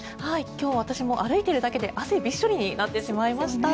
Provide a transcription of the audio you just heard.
今日、私も歩いているだけで汗びっしょりになってしまいました。